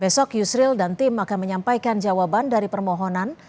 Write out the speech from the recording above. besok yusril dan tim akan menyampaikan jawaban dari permohonan